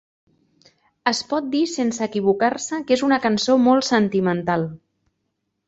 Es pot dir sense equivocar-se que és una cançó molt sentimental.